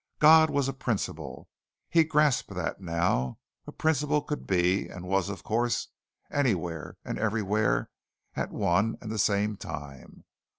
God was a principle. He grasped that now. A principle could be and was of course anywhere and everywhere at one and the same time.